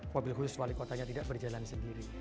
mobil khusus wali kotanya tidak berjalan sendiri